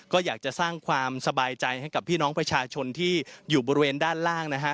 ก็อยากจะสร้างความสบายใจให้กับพี่น้องประชาชนที่อยู่บริเวณด้านล่างนะฮะ